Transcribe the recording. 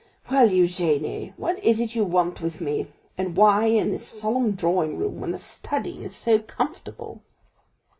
"Well, Eugénie, what is it you want with me? and why in this solemn drawing room when the study is so comfortable?"